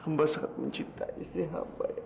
hamba sangat mencinta istri hamba ya allah